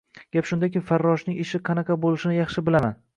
Gap shundaki, farroshning ishi qanaqa bo‘lishini yaxshi bilaman.